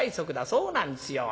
そうなんですよ。